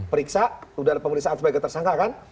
periksa sudah ada pemeriksaan sebagai tersangka kan